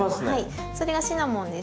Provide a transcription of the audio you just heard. それがシナモンです。